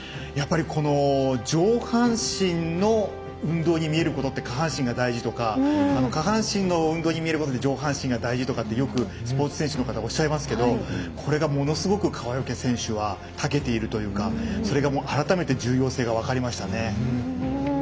やっぱり上半身の運動に見えるけど下半身が大事とか下半身の運動に見えるようで上半身が大事だとよくスポーツ選手の方おっしゃいますけどこれが、ものすごく川除選手はたけているというかそれが改めて重要性が分かりましたね。